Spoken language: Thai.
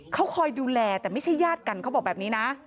เขาคอยดูแลแต่ไม่ใช่ญาติกันเขาบอกแบบนี้นะ